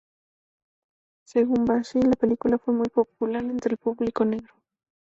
Según Bakshi, "La película fue muy popular entre el público negro.